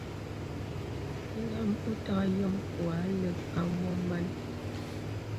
Lām òtagà yôm wà àlə̀k à mɔ màn.